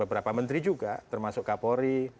dan beberapa menteri juga termasuk kapolri